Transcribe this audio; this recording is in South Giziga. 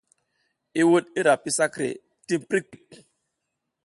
I wuɗ i ra pi sakre tim prik prik.